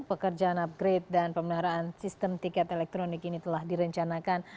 pekerjaan upgrade dan pemeliharaan sistem tiket elektronik ini telah direncanakan